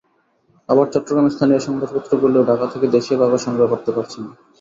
আবার চট্টগ্রামের স্থানীয় সংবাদপত্রগুলোও ঢাকা থেকে দেশীয় কাগজ সংগ্রহ করতে পারছে না।